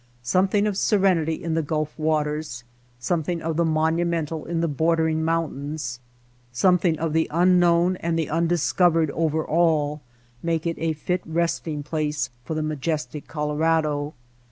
Something of serenity in the Gulf waters, something of the monumental in the bordering mountains, something of the un known and the undiscovered over all, make it a fit resting place for the majestic Colorado.